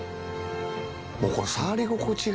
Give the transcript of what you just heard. もうこの触り心地が。